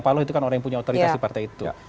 pak lo itu kan orang yang punya otoritas di partai itu